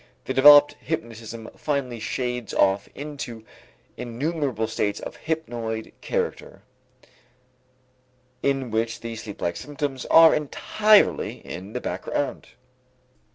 The developed hypnotism finally shades off into innumerable states of hypnoid character in which the sleeplike symptoms are entirely in the background.